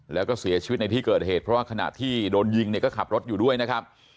แล้วก็เสียชีวิตในที่เกิดเหตุเพราะว่าขณะที่โดนยิงเนี่ยก็ขับรถอยู่ด้วยนะครับ